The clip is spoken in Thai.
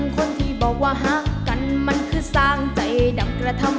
การวิจัย